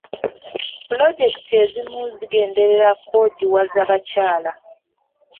Pulojekiti ezimu zigenderera kwogiwaza bakyala.